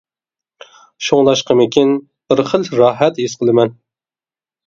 شۇڭلاشقىمىكىن، بىر خىل راھەت ھېس قىلىمەن.